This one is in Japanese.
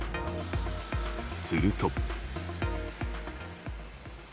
すると。